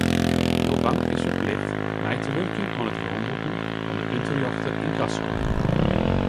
Jo bank is ferplichte mei te wurkjen oan it weromboeken fan de ûnterjochte ynkasso.